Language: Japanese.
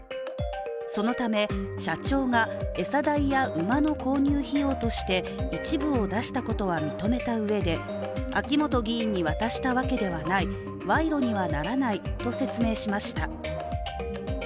そのため、社長が餌代や馬の購入費用として一部を出したことは認めたうえで秋本議員に渡したわけではない賄賂にはならないと説明しました。